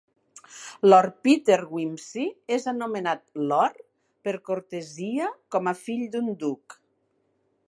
Lord Peter Wimsey és anomenat "Lord" per cortesia com a fill d'un duc.